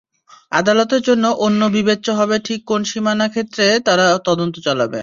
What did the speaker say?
আদালতের জন্য অন্য বিবেচ্য হবে ঠিক কোন সীমানা ক্ষেত্রে তারা তদন্ত চালাবে।